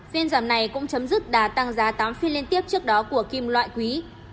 phiên giảm này cũng chấm dứt đà tăng giá tám phiên liên tiếp trước đó của kim loại quý